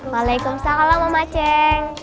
waalaikumsalam mama acing